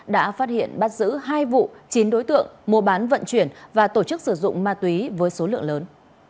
đã phát hiện bắt giữ hai vụ chín đối tượng mua bán vận chuyển và tổ chức sử dụng ma túy với số lượng lớn